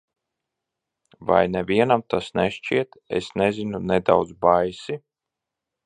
Vai nevienam tas nešķiet, es nezinu, nedaudz baisi?